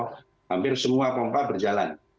hampir semua pompa berjalan